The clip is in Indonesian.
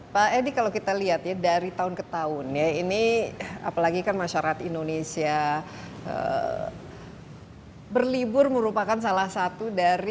pak edi kalau kita lihat ya dari tahun ke tahun ya ini apalagi kan masyarakat indonesia berlibur merupakan salah satu dari